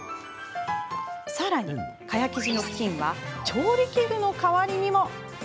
さらに蚊帳生地のふきんは調理器具の代わりにも。